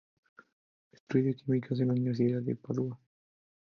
Estudia Químicas en la Universidad de Padua.